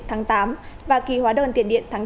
tháng tám và kỳ hóa đơn tiền điện